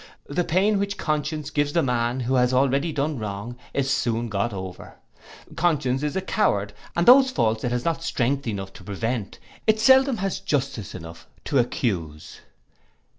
The pain which conscience gives the man who has already done wrong, is soon got over. Conscience is a coward, and those faults it has not strength enough to prevent, it seldom has justice enough to accuse.